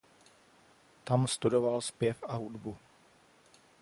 Tam studoval zpěv a hudbu.